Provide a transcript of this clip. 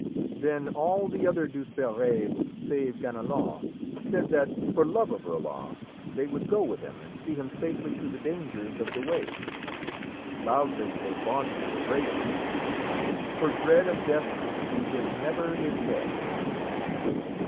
Then all the other Douzeperes, save Ganelon, said that for love of Roland they would go with him and see him safely through the dangers of the way. Loudly they vaunted his bravery: "_For dred of dethe, he hid neuer his hed.